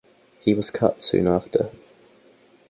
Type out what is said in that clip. He was cut soon after.